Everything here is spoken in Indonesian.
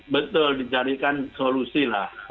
betul dicarikan solusi lah